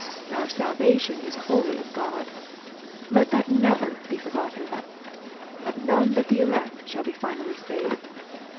Our salvation is wholly of God. Let that never be forgotten. None but the elect shall be finally saved.